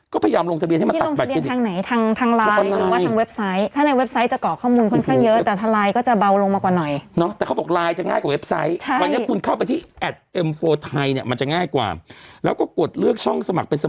ก็พยายามลงทะเบียนให้มาตัดบัตรเครดิต